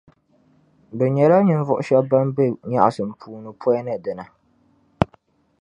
Bɛ daa nyɛla ninvuɣu shεba ban be nyεɣisim puuni pɔi ni dina.